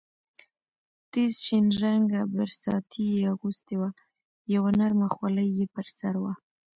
تېزه شین رنګه برساتۍ یې اغوستې وه، یوه نرمه خولۍ یې پر سر وه.